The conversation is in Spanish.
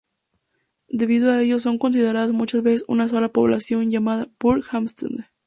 Debido a ello son consideradas muchas veces una sola población, llamada Burgh-Haamstede.